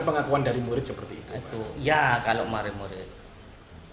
makanya ya kalau dari murid